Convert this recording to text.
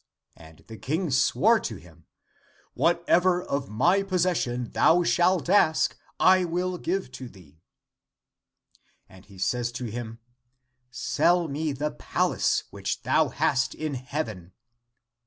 And the King swore to him, " Whatever of my possession thou slialt ask, I will 244 THE APOCRYPHAL ACTS give thee." And he says to him, " Sell me the palace which thou hast in heaven."